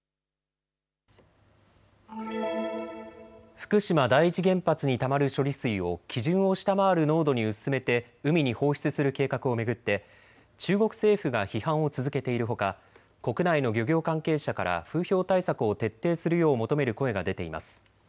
福島第一原発にたまる処理水を基準を下回る濃度に薄めて海に放出する計画を巡って中国政府が批判を続けているほか国内の漁業関係者から風評対策を徹底するよう求める声が出ています。